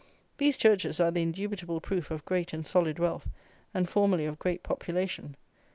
These churches are the indubitable proof of great and solid wealth, and formerly of great population.